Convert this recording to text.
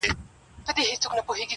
زه له ټولو سره خپل د هیچا نه یم!!